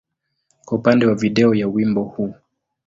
kwa upande wa video ya wimbo huu.